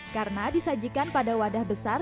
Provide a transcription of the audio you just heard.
karena disajikan pada wadah besar